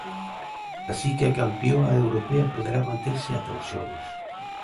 Así que a campioa europea poderá manterse ata os Xogos.